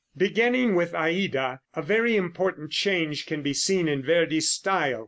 Beginning with "Aida," a very important change can be seen in Verdi's style.